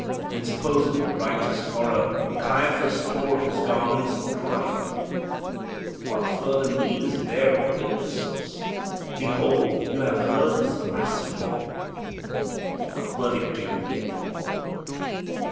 In supposed righteous horror Caiaphas tore his garments, and cried, "What further need is there of witnesses? Behold you have heard His blasphemy. What verdict do you give?"